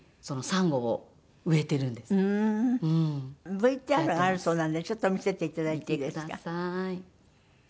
ＶＴＲがあるそうなんでちょっと見せていただいていいですか？